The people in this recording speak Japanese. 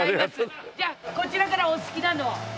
じゃあこちらからお好きなのを。